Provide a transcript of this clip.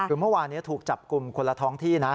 คือเมื่อวานนี้ถูกจับกลุ่มคนละท้องที่นะ